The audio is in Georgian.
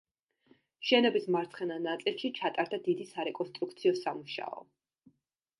შენობის მარცხენა ნაწილში ჩატარდა დიდი სარეკონსტრუქციო სამუშაო.